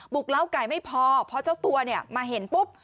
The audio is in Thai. กล้าวไก่ไม่พอพอเจ้าตัวเนี่ยมาเห็นปุ๊บ